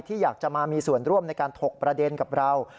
อยากจะมามีส่วนร่วมในการถกประเด็นกับเรา